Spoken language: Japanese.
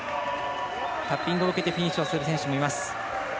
タッピングを受けてフィニッシュをする選手もいます。